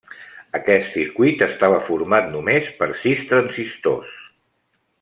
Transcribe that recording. Aquest circuit estava format només per sis transistors.